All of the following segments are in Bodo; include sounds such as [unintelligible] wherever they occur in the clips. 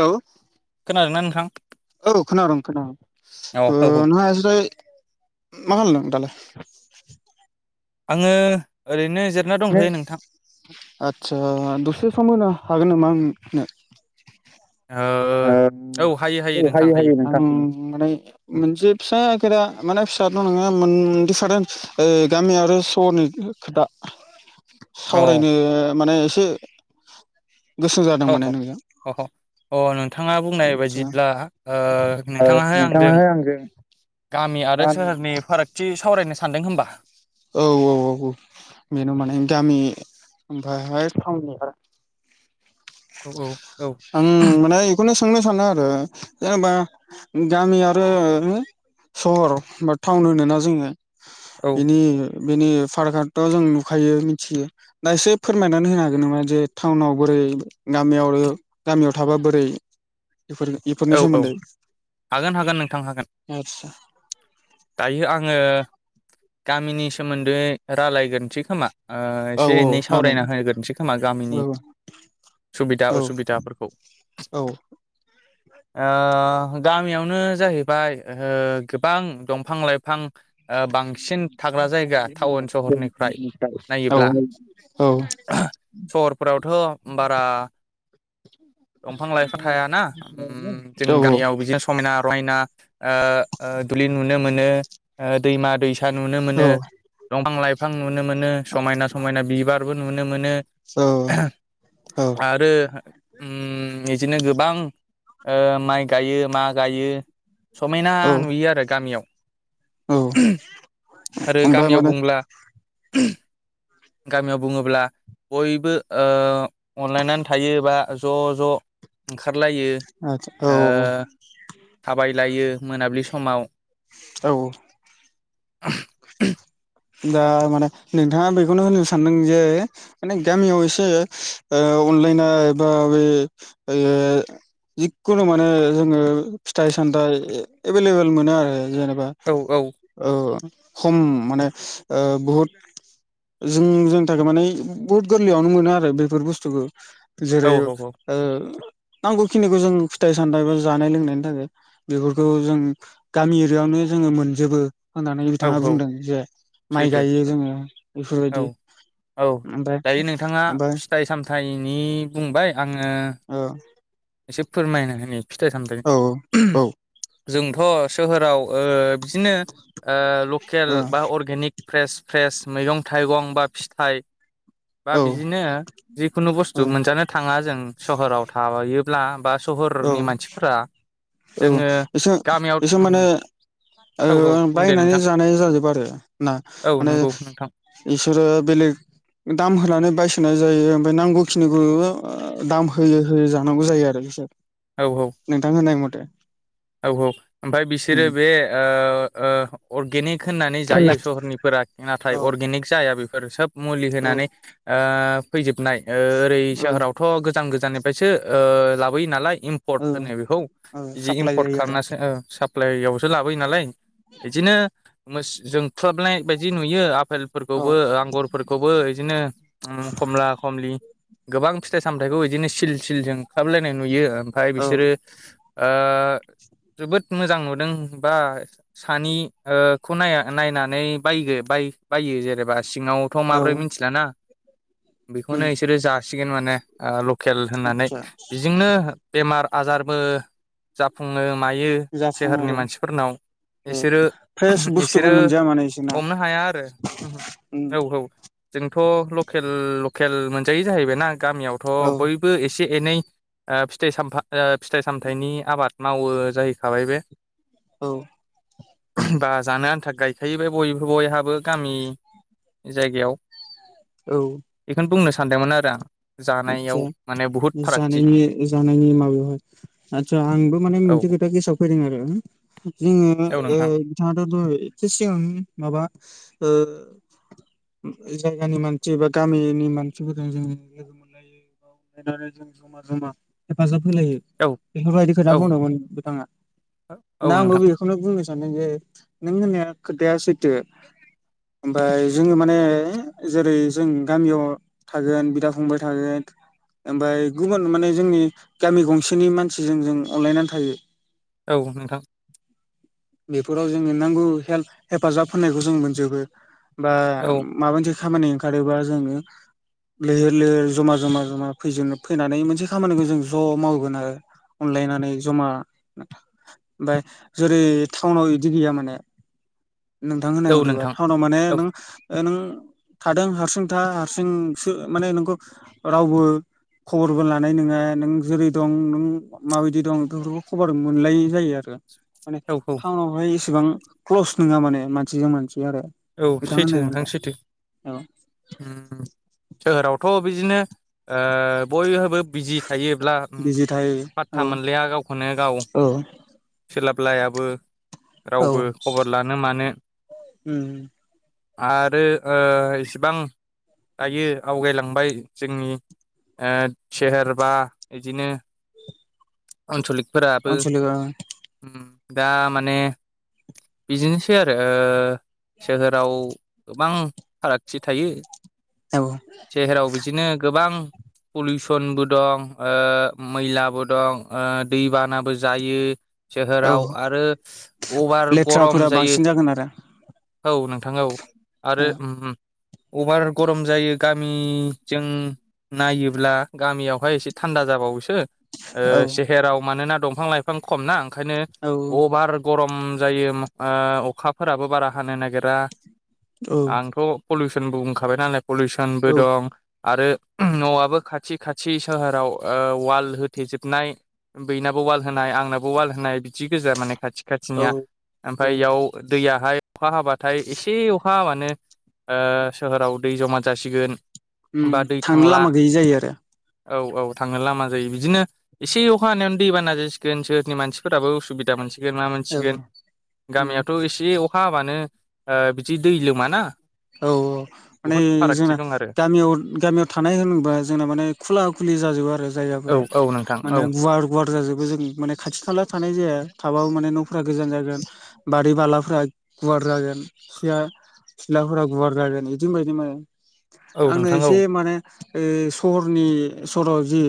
औे। खोनादों ना नोंथां। औ खोनादोंं खोनादोंं औ ओ औ औ नों मा खालामदों दालाय। [inaudible] आङो ओरैनो जिरना दंथ'यो नोंथां आतसा दसे सम हागोन नामा? [inaudible] ओ औ हायो औ नोंथां हायो हायो नोंथां माने मोनसे फिसा खथा। माने फिसााथ' नङा दिफारेन्ट ओ गामि आरो सहरनि खोथा अ सावरायनो माने एसे गोसो जादों औ माने नोंजों अ अ। नोंथाङा बुंनाय आदसा बायदिब्ला ओ नोंथाङाहाय आंजों गामि आरो सोहोरनि फारागथि सावरायनो सानदों होमबा। औ औ औ बेनो माने गामि ओमफ्रायाय औ आं माने बेखौनो सांनो सानो आरो जेनेबा गामि आरो सहर बा टाउन होनोना जोङो औ बिनि बेनि फाराक्थ' जों नुखायो मिथियो दा एसे फोरमायनानै होनो हागोन नामा जे टाउनावबो बोरै गामियाव गामियाव थाबा बोरै फोर बेफोरनि औ औ सोमोन्दै हागोन हागोन नोंथां हागोन आदसा दायो आङो गामिनि सोमोन्दै रायलायगोनोसै खोमा। ओ औ औ एसे एनै गामि सावरायना होग्रोनोसै खोमा औ गामिनि सुबिदा औ असुबिदाफोरखौ । औ आ गामियावनो जाहैबाय ओ गोबां दंफां लाइफां बांसिन थाग्रा जायगा टाउन सहरनिफ्राय नायोब्ला सहरफोरावथ' बारा दंफां लाइफा थायाना उम । औ जों गामियाव बिदिनो समायना रायना आ ओ दुलिन नुनो मोनो । दैमा दैसा नुनो मोनो । दंफां लाइफां नुनो मोनो समायना समायना बिबारबो नुनो मोनो । औ आरो उम इजिनो गोबां ओ माइ गायो मा गायो । समायना औ नुयो आरो गामियाव । औ आरो ओमफ्राय गामियाव माने बुंब्ला गामियाव बुंङोब्ला बयबो ओ अनलायनानै थायो बा ज' ज' ओंखारलायो औ ओ थाबायलायो मोनाबिलि समाव । औ [unintelligible] दा माने नोंथांङा बेखौनो होननो सानदों जे माने गामियाव एसे ओ अनलाइना एबा ओ जिखुनु माने जोंङो फिथाइ सामथाइ एभेलेबेल मोनो आरो जेने बा औ औ ओ खम माने बहुत जों जोंनि थाखाय माने बहुत गोरलैयावनो मोनो आरो बेफोर बुस्थुखौ । औ जेरै ओ औ नांगौखिनिखौ जों फिथाइ सामथाइ बा जानाय लोंनायनि थाखाय बेफोरखौ जों गामि एरियायावनो जोंङो मोनजोबो होननानै औ बिथांङा औ बुंदों जे माइ सैथो गायो जोंङो । औ बेफोरबायदि औ दायो नोंथांङा ओमफ्राय फिथाइ सामथाइनि बुंबाय आंंङो औ एसे फोरमायना होनो फिथाइ औ सामथायाइनि जोंथ' सोहोराव बिदिनो ओ लकेल औ बा अरगेनिक फ्रेस फ्रेस मैगं थाइगं बा फिथाइ औ बा बिदिनो जिखुनु ओ बुस्थु मोनजानो थांङा जों सहराव थायोब ब्ला बा सहरनि औ मानसिफोरा औ जोङो एसे गामियाव एसे माने ओ औ बुं दे बायनानै नोंथां जानाय जाजोबो आरो ना औ माने नंगौ नोंथां इसोरो बेलेग दाम होनानै बायसनाय जायो । नांगौखिनिखौ दाम होयै होयै जानांगौ जायो आरो बिसोर । औ औ नोंथां होननाय मथे । औ औ ओमफ्राय बिसोरो बे ओ ओ अर्गेनिक होन नानै जायो सहरनि नाथाय औ अर्गेनिख जाया बेफोर सोब मुलि औ होनानै ओ फैजोबनाय ओरै औ सोहोरावथ' गोजान गोजाननिफ्रायसो ओ लाबोयो नालाय इम्पर्ट औ होनो बेखौ औ बिदि साप्लाय इमपर्ट जायो आरो खालामनासो साप्लाइयावसो लाबोयो नालाय बिदिनो जोंफ्रबनाय बायदि नुयो औ फेलफोरखौबो आंगरफोरखौबो बिदिनो खमला खमलि गोबां फिथाइ सामथायाइखौ बिदिनो सिल सिलजों खालामलायनाय नुयो ओमफ्राय औ बिसोरो ओ जोबोद मोजां नुदों बा सानैखौ नाय नायनानै बाय बा बायो जेनेबा सिङावथ' औ माबोरै मिथिलाना उम बेखौनो बिसोरो जासिगोन माने लकेल होननानै आदसा बेजोंनो बेमार आजारबो जाफुंङो मायो जाफुङो सोहोरनि आरो मानसिफोरनाव ओ इसोरो फ्रेस बुस्थुखौ इसोरो मोनजाया माने इसोरना हमनो हाया आरो उम औ औ जों थ' लकेल लकेल मोनजायो जाहैबायनाा गामियावथ' औ बयबो एसे एनै ओ फिथाइ साम फिथाइ सामथाइनि आबाद मावो जाहैखाबाय बे औ बा जानो आन्था गायखायोबाय बयबो बयहाबो गामि जायगायाव औ बेखौनो बुंनो सानदोंमोन आरो आं जानायाव आतसा माने बुहुद फारागथि जानायनि जानायनि माबायाव आतसा आंबो माने औ मोनसे खोथा गेसआव फैदों आरो जोङो औ ओ नोंथां बिथाङाथ' एसे सिगां माबा ओ जायगानि मानसि बा गामिनि मानसिफोरजों जोंङो लोगो [unintelligible] जमा जमा हेफाजाब होलायो औ बेफोरबायदि खोथा औ बुंदोंमोन बिथाङा दा औ आंबो नोंथां बेखौनो बुंनो सानदों जे नों होननाय खोथाया सैथो ओमफाय जोङो माने जेरै जों गामियाव थागोन बिदा फंबाय थगोन ओमफाय गुबुन माने जोंनि गामि गंसेनि मानसिजों जों अनलायनानै थायो औ नोंथां बेफोराव जोङो नांगौ हेल्प हेफाजाब होनायखौ जों मोनजोबो बा औ माबा मोनसे खामानि ओंखारोबा जोङो लैहोर लैहोर जमा जमा जमा फै फैनानै मोनसे खामानिखौ जों ज' मावगोन आरो अनलायनानै जमा आमफाय जेरै टाउनाव बिदि गैया माने नोंथां होननाय औ मथैबा नोंथां टाउनाव माने औ नों नों थादों हारसिं था हारसिंसो माने नोंखौ रावबो खबरबो लानाय नङा नों जेरै दं नों माबायदि दं बेफोरखौ खबर मोनलाय जायो आरो माने औ औ टाउनवहाय एसेबां क्लस नङा माने मानसिजों मानसि आरो औ बिथां सैथो होननाय नोंथां मोनथाय सैथो औ सोहोरावथ' बिदिनो ओ बयहाबो बिजि थायोब्ला बिजि थायो पातथा औ मोनलाया गावखौनो गाव औ सोलाब लायाबो औ रावबो खबर लानो मानो उम आरो ओ इसेबां दायो आवगायलांबाय जोंनि ओ सोहेर बा बिदिनो आनसलिक फोराबो आनसलिक औ दा माने बिदिनोसै आरो ओ सोहोराव गोबां फारागथि थायो सोहेराव बिदिनो गोबां पलिउसनबो दं ओ मैलाबो दं दैबानाबो जायो औ सोहोराव आरो अभार गरम लेथ्राफोरा जायो बांसिन जागोन आरो औ नोंथां औ आरो औ उम उम अभार गरम जायो गामिजों नायोब्ला गामियावहाय एसे थान्दा जाबावोसो ओ औ सहेराव मानोना दंफां लाइफां खम ना ओंखायनो औ अभार गरम म जायो ओ अखाफोराबो बारा हानो नागिरा औ आंथ' पलिउसनबो बुंखाबाय नालाय पलिउसनबो दं आरो न'आबो खाथि खाथि सोहोराव वाल होथेेजोबनाय बैनाबो वाल होनाय आंनाबो वाल होनाय बिदि गोजा माने खाथि औ खाथिनिया ओमफाय औ इयाव दैयाहाय अखा हाबाथाय एसे अखा हाबानो ओ सोहोराव दै जमा जासिगोन ओम बा दै थांनो थांला लामा गैयि जायो आरो औ औ थांनो लामा जायो बिदिनो एसे अखा हानायावानो दैबाना जासिगोन सोरनि मानसिफोराबो उसुबिदा मोनसि गोन मा औ मोनसिगोन उम गामियावथ' एसे अखा हाबानो बिदि दै लोमाना? औ औ माने बुहुद फारागथि जोंना दं आरो गामियाव गामियाव थानाय होनबा जोंना माने खुला खुलि जाजोबो आरो औ जायगाफोरा औ नोंथां औ माने गुवार गुवार जाजो जों खाथि खाला थानाय जाया थाबाबो माने न'फोरा गोजान जागोन बारि बालाफ्रा गुवा ड्रागोन सेया सिथ्लाफोरा गुवार जागोन बिदि बायदि मा औ आंनो नोंथां औ एसे माने ओ सहरनि सराव जि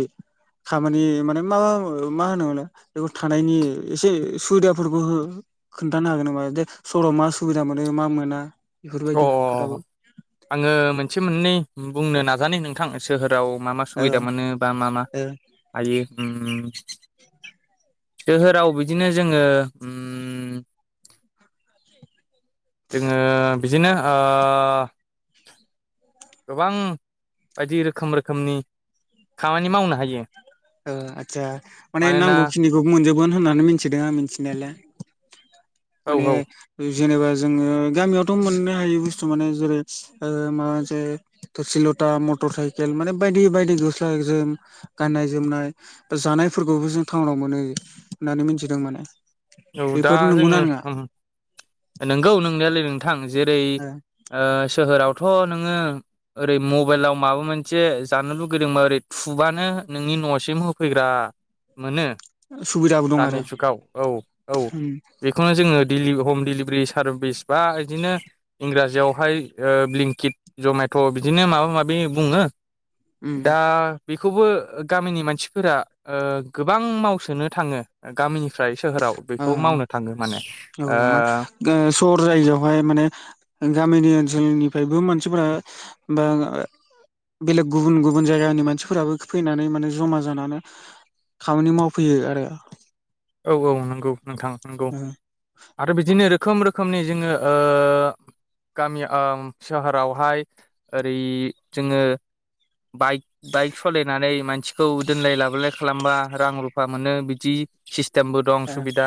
खामानि माने मा मा होनो मोनो बेखौ थानायनि एसे सुबिदाफोरबो हो खोन्थानो हागोन नामा? दे सहराव मा सुबिदा मोनो मा मोना। अ बेफोरबायदि खोथाखौ आङो मोनसे मोननै बुंनो नाजानाय नोंथां सोहो आव मा मा ओ सुबिदा मोनो बा मा मा ओ हायो ओम सोहोराव बिदिनो जोङो ओम जोङो बिदिनो आ गोबां बायदि रोखोम रोखोमनि खामानि मावनो हायो ओ आतसा माने मानोना नांगौ खिनिखौ मोनजोब गोन होननानै मिथिदों आं मिथिनायालाय औ माने औ बे जेनेबा जोङो गामियावथ' मोननो हायै बुस्थु माने जेरै माबा मोनसे थोरसि ल ता मटर साइकेल माने बायदि बायदि गस्ला जोम गाननाय जोमनाय बा जानायफोरखौबो जों टाउनाव मोनाय जायो होननानै मिथिदों माने औ दा बेफोर नंगौना जोङो नङा ओम नंगौ नोंनायालाय नों थां जेरै ओ सोहोराव थ' नोङो ओरै मबाइलाव माबा मोनसे जानो लुुबैदोंबा ओै थुबानो नोंनि न'सिम होफैग्रा मोनो सुबिदाबो दं दानि आरो जुगाव औ। औ उम बेखौनो जो ङो दिलि हम दिलिब्रि सारबेस बा इदिनो इंराजि आवहाय ओ ब्लिंखिद जमेट' बिदिनो माबा माबि बुङो। उम दा बेखौबो गामिनि मानसिफोरा गोबां मावसोनो थाङो गामिनिफ्राय सोहोराव बेखौ मावनो थाङो माने ओ औ मा सहर जायगायावहाय माने गामिनि ओनसोलनिफ्रायबो मानसिफोरा बा बेलेग गुबुन गुबुन जायगानि मानसिफोराबो फैनानै माने जमा जानानै खामानि मावफैयो आरो । औ औ नोंगौ नोंथां। नोंगौ आरो बिदिनो खोम रोखोमनि जोङो ओ गामि आ सोहोरावहाय ओरै जोङो बाइक बाइक सालायनानै मानसिखौ दोनलाय लाबोलाय खालामबा रां रुफा मोनो बिदि सिटेमबो दं ओ सुबिदा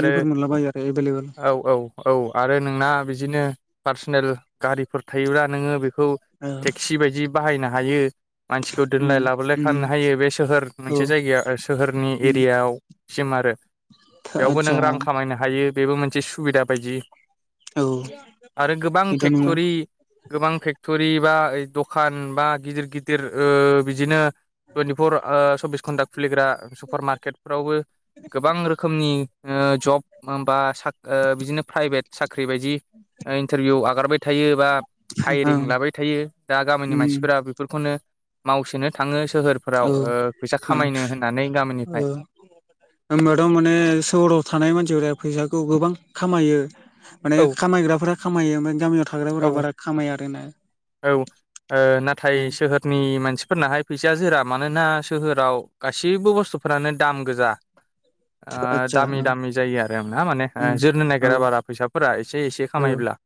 आरो मोनलाबायो आरो एभेलेबेल औ औ औ। आरो नोंना बिदिनो पार्सनेल गारिफोर थायोब्ला नोङो बे खौ ओ टेक्सि बायदि बाहायनो हायो। मानसिखौ उम दोनलाय लाबोलाय उम खालामनो हायो बे सोहोर औ मोनसे जायगाया सोहोरनि उम एरियायाव सिम आरो बेयावबो आदसा नों रां खामायनो हायो बेबो मोनसे सुबिदा बायदि औ आरो गोबां बेथ' नंगौ फेक्टरि गोबां फेक्टरि बा दखान बा गिदिर गिदिर ओ बिदिनो टुइन्टिफर सब्बिस घन्टा खुलिग्रा सुपार मार्केटफोरावबो गोबां रोखोमनि ओ जब बा साक ओ बिदिनो प्राइभेट साख्रि बायदि इन्टारभिउ आगारबाय थायो बा हायेरिं ओं लाबाय थायो दा गामिनि उम मानसिफोरा बेफोरखौनो मावसोनो थाङो औ सोहोरफोराव फैसा खामायनो होननानै गामिनिफ्राय । होनोमबाथ' माने सहराव थानाय मानसिफोरा फैसाखौ गोबां खामायो माने औ खामायग्राफोरा खामायो ओफ्राय गामियाव थाग्राफोरा औ बारा खामायो आरो ना? औ नाथाय सोहोरनि मानसि फोरफोरनाहाय फैसा जोरा मानोना सोहोराव गासैबो बुस्थुफोरानो दाम गोजा ओ आदसा दामि ओ दामि जायो आरो ना माने उम जोरनो औ नागिरा बारा फैसाफोरा एसे एसे औ खामायब्ला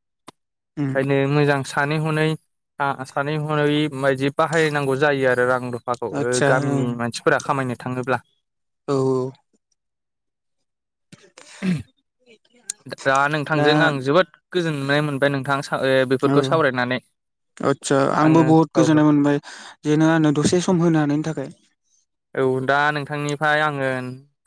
उम ओंखायनो मोजां सानै हनै आं सानै हयै बायदि बाहायनांगौ जायो आरो रां रुफाखौ ओ आदसा औ गामिनि मानसिफोरा खामायनो थाङोब्ला औ औ [inaudible] दा दा नोंथांजों आं जोबोद गोजोननाय मोनबाय नोंथां ओ बेफोरखौ औ सावरायनानै आदसा आङो आंबो बहुत औ गोजोननाय मोनबाय जेे नों आंनो दसे सम होनो हानायनि थाखाय औ दा नोंथांनि फ्राय आङो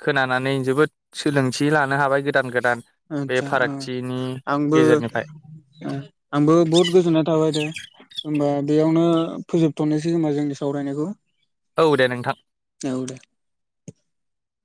खोनानानै जोबोद सोलोंथि लानो हाबाय गोदान गोदान बे आतसा ओ फारागथिनि आंबो गेजेरनिफ्राय ओ आंबो बहुत गोजोननाय थाबाय दे होनबा बेयावनो फोजोबथ'नोसै खोमा जोंनि सावरायनायखौ औ दे नोंथां औ दे।